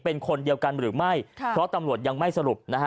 เป็นคนเดียวกันหรือไม่ค่ะเพราะตำรวจยังไม่สรุปนะฮะ